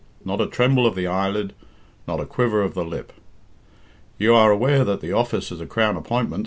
Not a tremble of the eyelid, not a quiver of the lip. "You are aware that the office is a Crown appointment?"